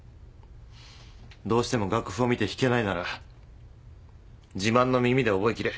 どうしても楽譜を見て弾けないなら自慢の耳で覚えきれ。